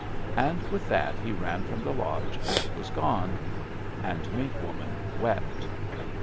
And with that he ran from the lodge and was gone. And Mink Woman wept.